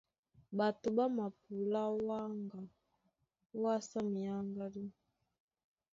Ɓato ɓá mapulá wáŋga ówásá minyáŋgádú.